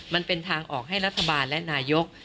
มันเป็นทางออกให้รัฐบาลและนายก